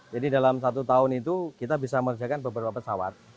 jadi dalam satu tahun itu kita bisa mengerjakan beberapa pesawat